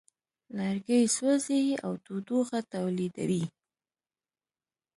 لرګی سوځي او تودوخه تولیدوي.